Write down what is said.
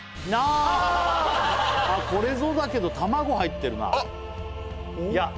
あっこれぞだけど卵入ってるなあっ！